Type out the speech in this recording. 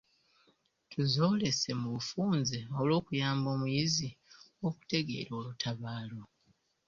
Tuzoolese mu bufunze olw'okuyamba omuyizi okutegeera olutabaalo.